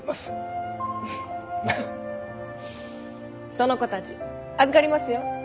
その子たち預かりますよ。